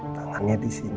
tangannya di sini